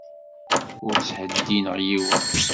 Ur ttheddineɣ yiwen.